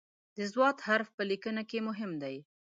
د "ض" حرف په لیکنه کې مهم دی.